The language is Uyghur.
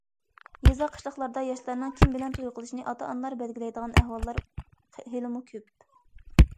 يېزا- قىشلاقلاردا ياشلارنىڭ كىم بىلەن توي قىلىشىنى ئاتا- ئانىلار بەلگىلەيدىغان ئەھۋاللار ھېلىمۇ كۆپ.